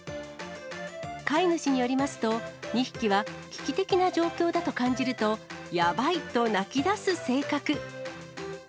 飼い主によりますと、２匹は危機的な状況だと感じると、やばいと鳴き出す性格。